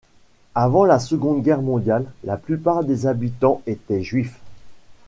Avant la Seconde Guerre mondiale, la plupart des habitants étaient juifs.